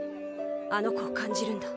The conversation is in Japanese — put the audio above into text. あの子を感じるんだ。